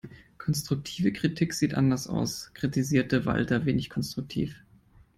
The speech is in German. Konstruktive Kritik sieht anders aus, kritisierte Walter wenig konstruktiv.